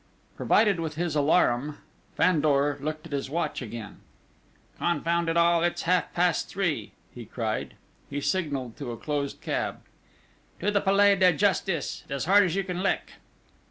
Provided with his alarum, Fandor looked at his watch again: "Confound it all! It's half past three!" he cried. He signalled to a closed cab: "To the Palais de Justice! As hard as you can lick!"